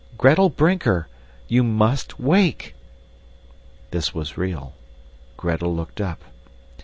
Gretel Brinker! You MUST wake!" This was real. Gretel looked up.